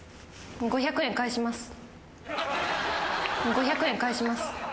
５００円返します。